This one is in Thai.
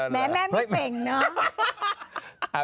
แม่ไม่เป่งเนอะ